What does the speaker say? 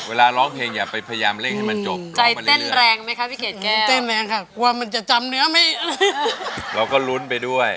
เวลาร้องเพลงอย่าไปพยายามเล่นให้มันจบ